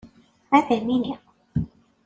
Ad m-d-iniɣ.